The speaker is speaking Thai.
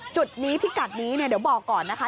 จุดนี้พี่กัดนี้เดี๋ยวบอกก่อนนะคะ